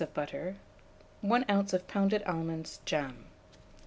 of butter, 1 oz. of pounded almonds, jam.